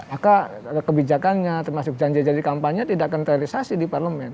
maka kebijakannya termasuk janjian jadi kampanye tidak akan terorisasi di parlemen